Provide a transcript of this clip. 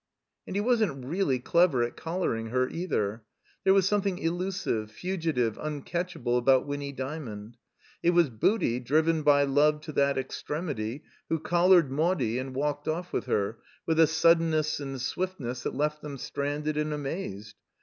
And he wasn't really clever at collaring her, either. There was something elusive, fugitive, un catchable about Winny Dymond. It was Booty, driven by love to that extremity, who collared Maudie and walked off with her, with a suddenness and swiftness that left them stranded and amazed.